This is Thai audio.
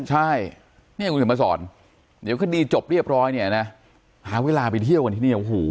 ใช่เนี่ยคุณเห็นมาสอนเดี๋ยวคดีจบเรียบร้อยเนี่ยนะหาเวลาไปเที่ยวกันที่นี่โอ้โห